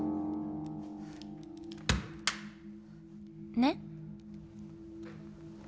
ねっ。